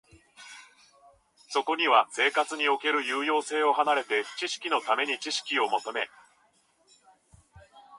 そこには生活における有用性を離れて、知識のために知識を求め、